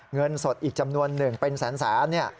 เงินสดอีกจำนวนหนึ่งเป็นแสน